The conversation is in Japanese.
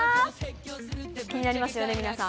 気になりますよね、皆さん。